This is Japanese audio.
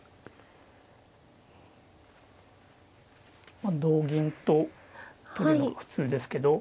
まあ同銀と取るのが普通ですけど。